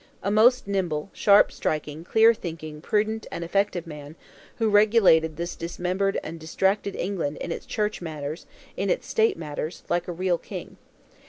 A most nimble, sharp striking, clear thinking, prudent and effective man, who regulated this dismembered and distracted England in its Church matters, in its State matters, like a real King.